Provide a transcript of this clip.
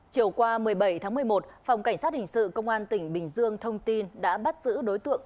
chiều qua một mươi bảy tháng một mươi một phòng cảnh sát hình sự công an tỉnh bình dương thông tin đã bắt giữ đối tượng